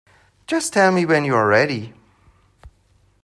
Just tell me when you're ready.